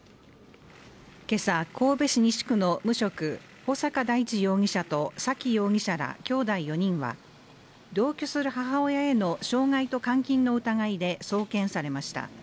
今朝神戸市西区の無職、穂坂大地容疑者と沙喜容疑者らきょうだい４人は同居する母親への傷害と監禁の疑いで送検されました。